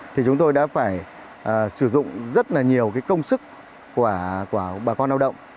thì chúng tôi đã phải sử dụng rất là nhiều công sức của bà con lao động